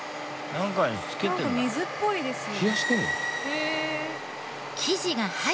なんか水っぽいですね。